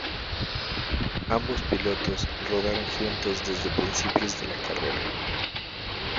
Ambos pilotos rodaron juntos desde principios de la carrera.